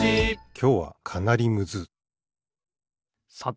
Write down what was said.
きょうはかなりむずさて